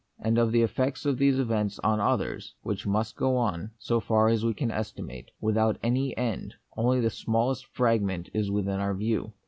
And of the effects of these events on others, which | must go on, so far as we can estimate, with ' out any end, only the smallest fragment is within our view.